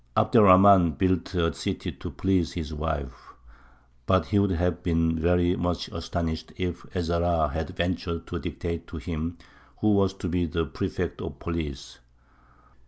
Abd er Rahmān built a city to please his wife, but he would have been very much astonished if Ez Zahrā had ventured to dictate to him who was to be the prefect of police.